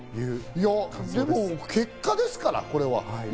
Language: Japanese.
でも結果ですから、これは。